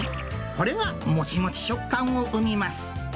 これがもちもち食感を生みます。